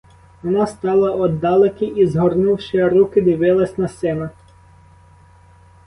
Вона стала оддалеки і, згорнувши руки, дивилась на сина.